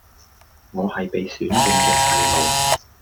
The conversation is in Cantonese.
我係被選中嘅細路⠀⠀